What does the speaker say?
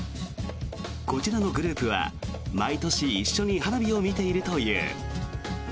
こちらのグループは毎年、一緒に花火を見ているという。